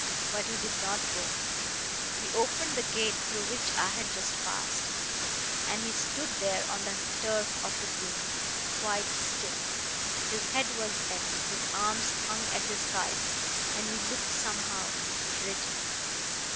But he did not go. He opened the gate through which I had just passed, and he stood there on the turf of the green, quite still. His head was bent, his arms hung at his sides, and he looked somehow ... rigid.